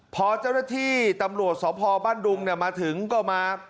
พอเจ้าหน้าที่ตำรวจสพบ้านดุงมาถึงก็มา